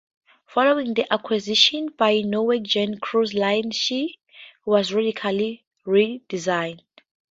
Following the acquisition by Norwegian Cruise Line she was radically redesigned.